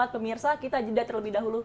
pemirsa kita jeda terlebih dahulu